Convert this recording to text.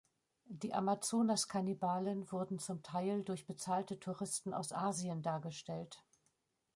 Die Amazonas-Kannibalen wurden zum Teil durch bezahlte Touristen aus Asien dargestellt.